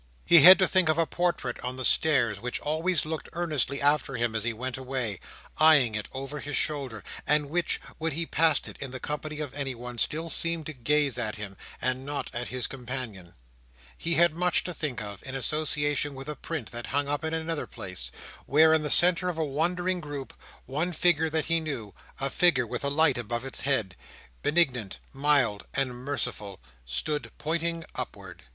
He had to think of a portrait on the stairs, which always looked earnestly after him as he went away, eyeing it over his shoulder; and which, when he passed it in the company of anyone, still seemed to gaze at him, and not at his companion. He had much to think of, in association with a print that hung up in another place, where, in the centre of a wondering group, one figure that he knew, a figure with a light about its head—benignant, mild, and merciful—stood pointing upward.